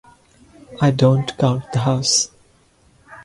I don't count the house.